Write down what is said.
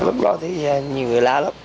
lúc đó thì nhiều người la lắm